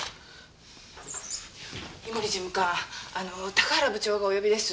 井森事務官あの高原部長がお呼びです。